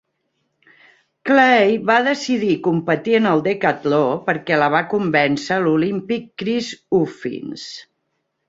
Clay va decidir competir en el decatló perquè la va convèncer l'olímpic Chris Huffins.